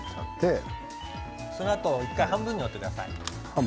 そのあと１回半分に折ってください。